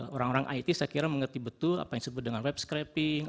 orang orang it saya kira mengerti betul apa yang disebut dengan web scrapping